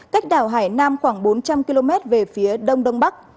cách đảo hải nam khoảng bốn trăm linh km về phía đông đông bắc